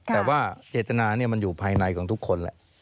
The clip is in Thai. แต่ว่าเจตนามันอยู่ภายในของทุกคนแหละ